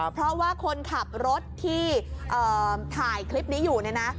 เพราะว่าคนขับรถที่ถ่ายคลิปนี้อยู่เนี่ยนะ